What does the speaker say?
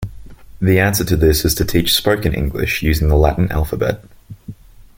The answer to this is to teach spoken English using the Latin alphabet.